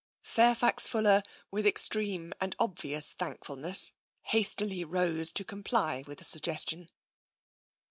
Fairfax Fuller, with extreme and obvious thankful ness, hastily rose to comply with the suggestion.